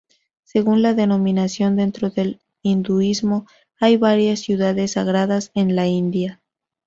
Según la denominación dentro del hinduismo, hay varias ciudades sagradas en la India.